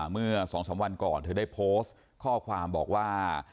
เมื่อ๒๓วันก่อนเธอได้โพสต์ข้อความบอกว่า